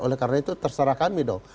oleh karena itu terserah kami dong